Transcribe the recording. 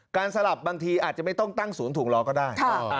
การสลับบางทีอาจจะไม่ต้องตั้งสูงถวงล้อก็ได้